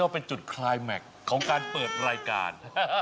เป็นจุดคลายแม็กซ์ของการเปิดรายการ